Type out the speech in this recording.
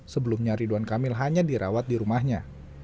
sebelumnya ridwan kamil hanya dirawat di rumahnya